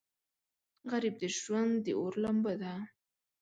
غریب د ژوند د اور لمبه ده